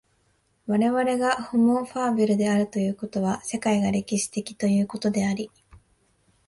我々がホモ・ファーベルであるということは、世界が歴史的ということであり、